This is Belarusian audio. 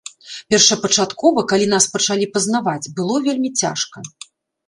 Першапачаткова, калі нас пачалі пазнаваць, было вельмі цяжка.